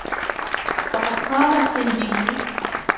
وَقَدْ قَالَ الْكِنْدِيُّ